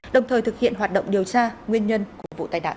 đồng thời thực hiện hoạt động điều tra nguyên nhân của vụ tai nạn